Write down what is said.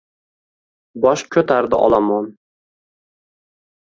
Bosh ko’tardi olomon.